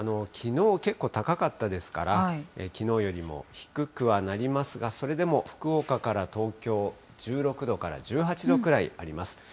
きのう、結構高かったですから、きのうよりも低くはなりますが、それでも福岡から東京、１６度から１８度くらいあります。